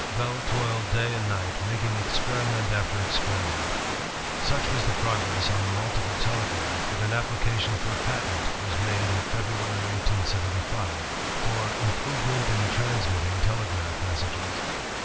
Bell toiled day and night, making experiment after experiment. Such was the progress on the multiple telegraph, that an appli cation for a patent was made in February, 1875, f^^ "Im provement in Transmitting Telegraph Messages."